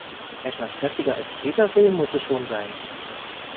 Etwas kräftiger als Tesafilm muss es schon sein.